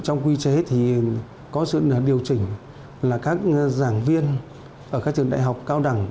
trong quy chế thì có sự điều chỉnh là các giảng viên ở các trường đại học cao đẳng